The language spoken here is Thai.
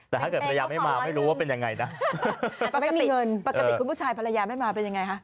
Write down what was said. แต่ถ้าเกิดภรรยาไม่มาไม่รู้ว่าเป็นยังไงนะแต่ปกติเงินปกติคุณผู้ชายภรรยาไม่มาเป็นยังไงฮะ